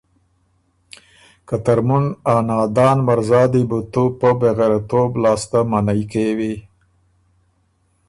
که ترمُن ا نادان مرزا دی بُو تُو پۀ بېغېرَتوب لاسته منعئ کېوی۔